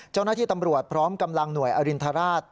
เจ้าหน้าที่ตำรวจพร้อมกำลังหน่วยอรินทราช